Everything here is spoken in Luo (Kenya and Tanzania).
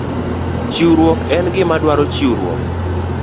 Chiwruok en gima dwaro chiwruok